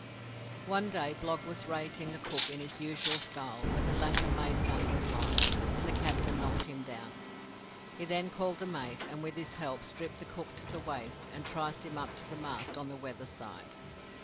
One day Blogg was rating the cook in his usual style when the latter made some reply, and the captain knocked him down. He then called the mate, and with his help stripped the cook to the waist and triced him up to the mast on the weather side.